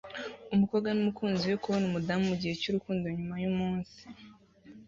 Umukobwa n'umukunzi we kubona umudamu mugihe cyurukundo nyuma yumunsi